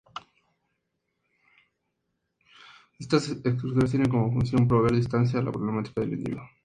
Estas estructuras tienen como función proveer distancia a la problemática del individuo.